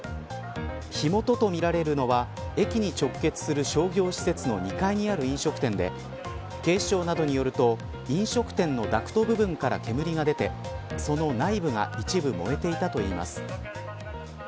火元とみられるのは駅に直結する商業施設の２階にある飲食店で警視庁などによると飲食店のダクト部分から煙が出てその内部が一部燃えていたといいます。